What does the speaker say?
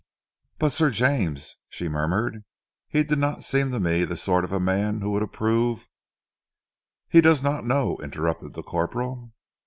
"But Sir James!" she murmured. "He did not seem to me the sort of man who would approve " "He does not know," interrupted the corporal.